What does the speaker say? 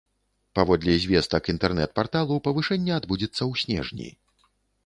Паводле звестак інтэрнэт-парталу, павышэнне адбудзецца ў снежні.